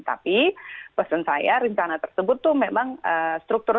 tapi pesan saya rencana tersebut tuh memang struktur